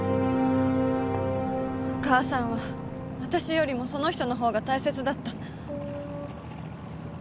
お母さんは私よりもその人のほうが大切だった。